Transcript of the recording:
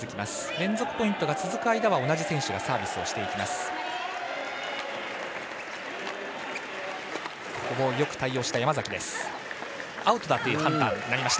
連続ポイントが続く間は同じ選手がサービスをしていきます。